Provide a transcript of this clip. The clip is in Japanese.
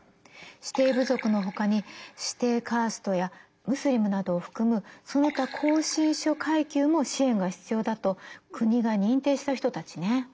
指定部族のほかに指定カーストやムスリムなどを含むその他後進諸階級も支援が必要だと国が認定した人たちね。